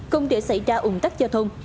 công đệ xảy ra ủng tắc giao thông